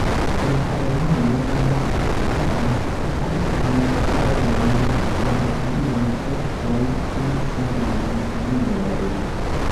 La rolulo ja havas apartajn rolojn en aliaj verkoj pri samaj historioj.